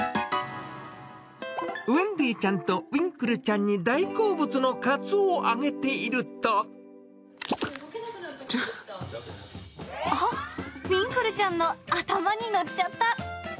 ウェンディちゃんとウィンクルちゃんに大好物のカツオをあげていあっ、ウィンクルちゃんの頭に載っちゃった。